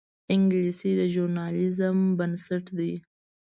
انګلیسي د ژورنالیزم بنسټ ده